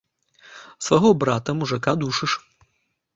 Свайго брата мужыка душыш.